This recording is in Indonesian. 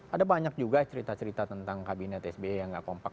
ada banyak juga cerita cerita tentang kabinet sbi yang gak kompak